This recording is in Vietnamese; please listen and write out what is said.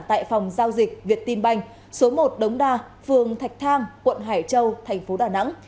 tại phòng giao dịch việt tin banh số một đống đa phường thạch thang quận hải châu thành phố đà nẵng